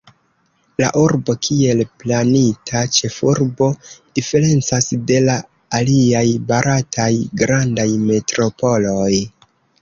La urbo, kiel planita ĉefurbo, diferencas de la aliaj barataj grandaj metropoloj.